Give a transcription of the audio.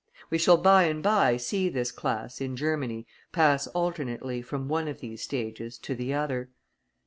We shall by and by see this class, in Germany, pass alternately from one of these stages to the other.